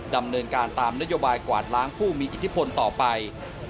ดำเนินการตามนโยบายกวาดล้างผู้มีอิทธิพลต่อไป